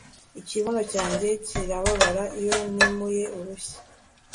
Ikibuno cyanjye kirababara iyo nimuye urushyi